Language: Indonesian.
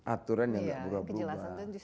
aturan yang enggak berubah ubah